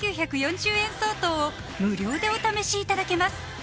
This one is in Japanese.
５９４０円相当を無料でお試しいただけます